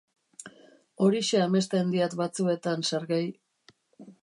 Horixe amesten diat batzuetan, Sergei.